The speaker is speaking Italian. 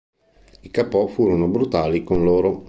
I Kapo furono brutali con loro.